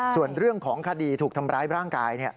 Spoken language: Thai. ส่วนเรื่องของคดีถูกทำร้ายร่างกาย